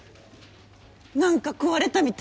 何か壊れたみ